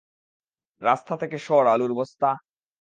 রাস্তা থেকে সর, আলুর বস্তা।